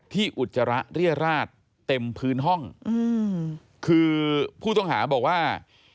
อุจจาระเรียราชเต็มพื้นห้องคือผู้ต้องหาบอกว่า